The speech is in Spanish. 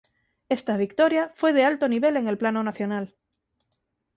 Esta victoria fue de alto nivel en el plano nacional.